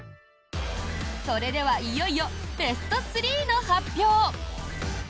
それではいよいよベスト３の発表！